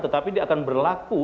tetapi dia akan berlaku